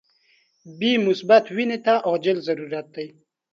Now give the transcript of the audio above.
بی مثبت وینی ته عاجل ضرورت دي.